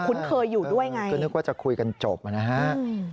คุ้นเคยอยู่ด้วยไงก็นึกว่าจะคุยกันจบนะฮะ